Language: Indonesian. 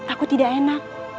aku tidak enak